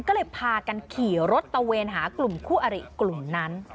ก็เลยพากันขี่รถตะเวนหากลุ่มคู่อริกลุ่มนั้น